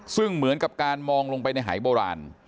ซึ่งเหมือนกับการมองลงไปในหายโบราณ